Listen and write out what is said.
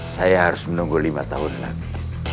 saya harus menunggu lima tahun lagi